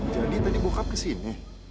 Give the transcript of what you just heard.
jadi tadi bokap kesini